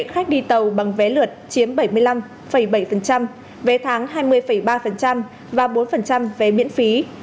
khách đi tàu bằng vé lượt chiếm bảy mươi năm bảy vé tháng hai mươi ba và bốn vé miễn phí